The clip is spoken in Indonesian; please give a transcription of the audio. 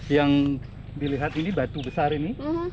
yang dilihat ini batu besar ini